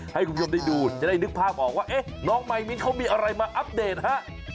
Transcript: ให้คุณผู้ชมได้ดูจะได้นึกภาพออกว่าเอ๊ะน้องมายมิ้นเขามีอะไรมาอัปเดตฮะ